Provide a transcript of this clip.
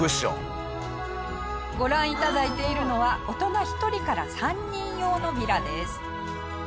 ご覧頂いているのは大人１人から３人用のヴィラです。